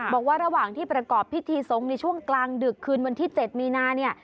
บอกว่าระหว่างที่ประกอบพิธีสงฆ์ในช่วงกลางดึกคืนวันที่๗มีนาเนี่ย